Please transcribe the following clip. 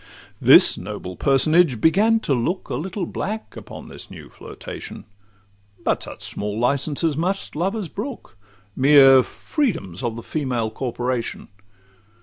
This noble personage began to look A little black upon this new flirtation; But such small licences must lovers brook, Mere freedoms of the female corporation.